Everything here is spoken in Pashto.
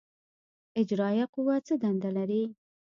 اجرائیه قوه څه دنده لري؟